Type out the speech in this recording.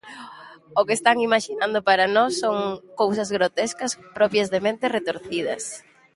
O que están imaxinando para nós son cousas grotescas, propias de mentes retorcidas.